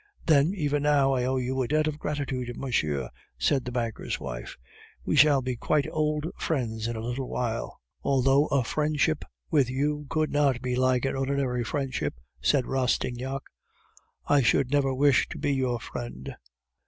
"Then, even now, I owe you a debt of gratitude, monsieur," said the banker's wife. "We shall be quite old friends in a little while." "Although a friendship with you could not be like an ordinary friendship," said Rastignac; "I should never wish to be your friend."